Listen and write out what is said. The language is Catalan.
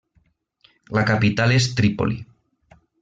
La capital és Trípoli.